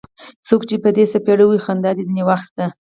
څوک چي دي په څپېړه ووهي؛ خندا دي ځني واخسته.